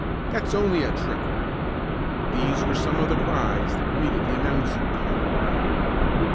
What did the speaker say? "That's only a trick!" These were some of the cries that greeted the announcement Hiram made.